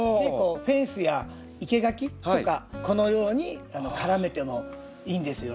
フェンスや生け垣とかこのように絡めてもいいんですよね。